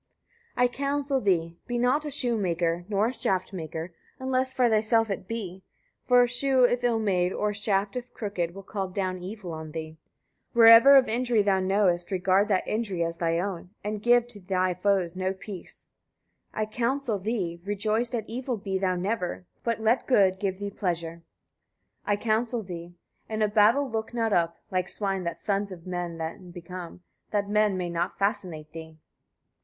128. I counsel thee, etc. Be not a shoemaker, nor a shaftmaker, unless for thyself it be; for a shoe if ill made, or a shaft if crooked, will call down evil on thee. 129. I counsel thee, etc. Wherever of injury thou knowest, regard that injury as thy own; and give to thy foes no peace. 130. I counsel thee, etc. Rejoiced at evil be thou never; but let good give thee pleasure. 131. I counsel thee, etc. In a battle look not up, (like swine the sons of men then become) that men may not fascinate thee.